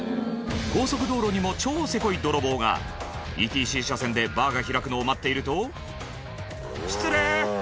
高速道路にも超セコい泥棒がＥＴＣ車線でバーが開くのを待っていると「失礼」